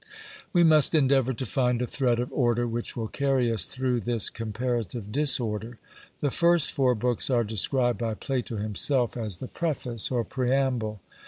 We must endeavour to find a thread of order which will carry us through this comparative disorder. The first four books are described by Plato himself as the preface or preamble.